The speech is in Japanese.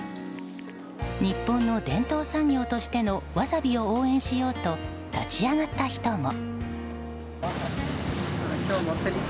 日本の伝統産業としてのワサビを応援しようと立ち上がった人も。